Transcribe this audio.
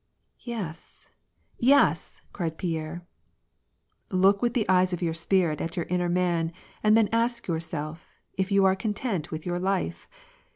" Yes, yes," cried Pierre. " Look with the eyes of your spirit at your inner man, and then ask yourself if you are content with your life